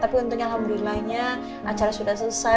tapi untungnya alhamdulillahnya acara sudah selesai